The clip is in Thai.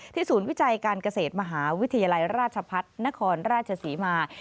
ศูนย์วิจัยการเกษตรมหาวิทยาลัยราชพัฒนครราชศรีมา